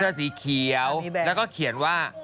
สีเขียวแล้วก็เขียนว่า